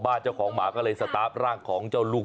เพื่อนเอาของมาฝากเหรอคะเพื่อนมาดูลูกหมาไงหาถึงบ้านเลยแหละครับ